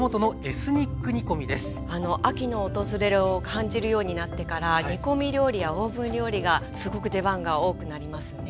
秋の訪れを感じるようになってから煮込み料理やオーブン料理がすごく出番が多くなりますよね。